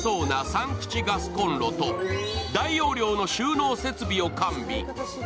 ３口ガスこんろと大容量の収納設備を完備。